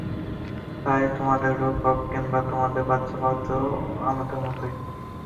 চায় তোমাদের রোগ হোক, কিংবা তোমাদের বাচ্চা, পালতে তো হয় আমাদেরই!